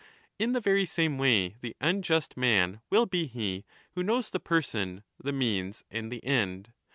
In the very same way the unjust man will be he who knows the person, the means, and the end.